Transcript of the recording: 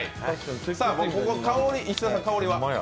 石田さん、香りは？